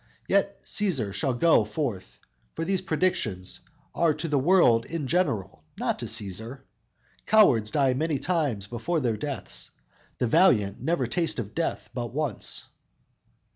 Yet Cæsar shall go forth, for these predictions Are to the world in general, not to Cæsar! Cowards die many times before their deaths; The valiant never taste of death but once!"